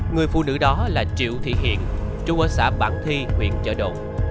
người phụ nữ đó là triệu thị hiện trung ở xã bản thi huyện chợ độ